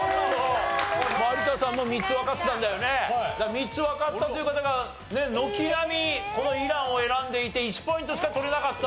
３つわかったという方が軒並みこのイランを選んでいて１ポイントしか取れなかった。